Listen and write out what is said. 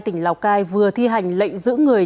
tỉnh lào cai vừa thi hành lệnh giữ người